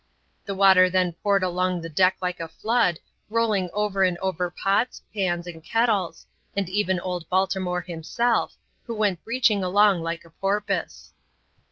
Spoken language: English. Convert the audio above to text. The water then poured along the deck like a flood, rolling over and over pots, pans, and kettles, and even old Baltimore himself, who went breaching along like a porpoise.